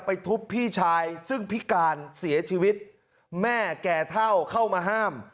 ทุบพี่ชายซึ่งพิการเสียชีวิตแม่แก่เท่าเข้ามาห้าม